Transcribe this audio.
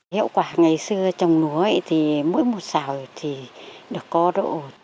hiệu quả ngày xưa trồng lúa thì mỗi một xào thì được có độ ổn